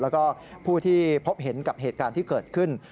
แล้วก็ผู้ที่พบเห็นกับเหตุการณ์ที่เกิดขึ้น